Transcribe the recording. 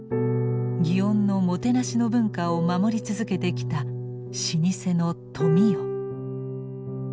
祇園のもてなしの文化を守り続けてきた老舗の富美代。